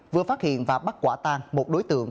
vừa phát hiện và bắt quả tang một đối tượng